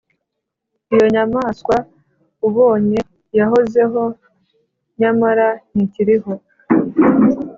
Iyo nyamaswa ubonye yahozeho nyamara ntikiriho,